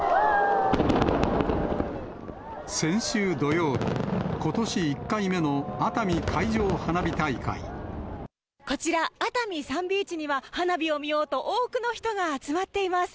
先週土曜日、こちら、熱海サンビーチには、花火を見ようと、多くの人が集まっています。